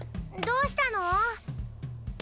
どうしたの？